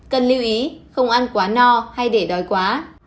cần lưu ý không ăn quá no hay để đói quá